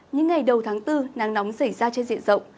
những ngày đầu tháng bốn nắng nóng xảy ra trên diện rộng